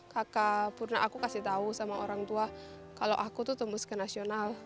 kakak purna aku kasih tahu sama orang tua kalau aku tuh tembus ke nasional